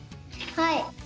はい！